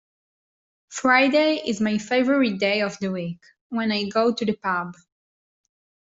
Friday is my favourite day of the week, when I go to the pub